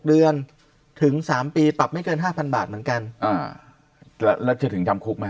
เดือนถึง๓ปีปรับไม่เกินห้าพันบาทเหมือนกันแล้วจะถึงจำคุกไหม